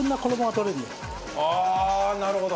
ああなるほど。